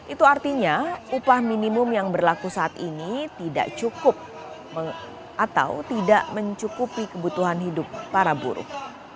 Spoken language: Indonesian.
itu artinya upah minimum yang berlaku saat ini tidak cukup atau tidak mencukupi kebutuhan hidup para buruh